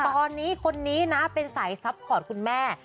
ตอนนี้คนนี้นะเป็นสายซัพพอร์ตคุณแม่